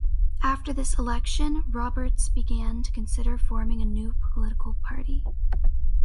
After this election, Roberts began to consider forming a new political party.